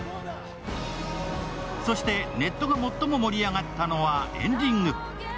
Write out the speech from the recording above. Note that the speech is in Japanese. そして、ネットが最も盛り上がったのはエンディング。